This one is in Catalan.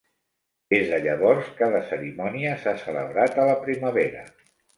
Des de llavors, cada cerimònia s'ha celebrat a la primavera.